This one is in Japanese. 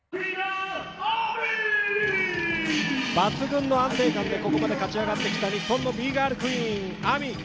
抜群の安定感でここまで勝ち上がってきた日本のＢ−ＧＩＲＬクイーン・ＡＭＩ。